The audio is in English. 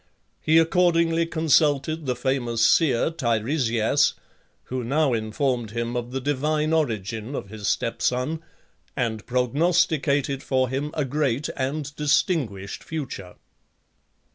He accordingly consulted the famous seer Tiresias, who now informed him of the divine origin of his stepson, and prognosticated for him a great and distinguished future.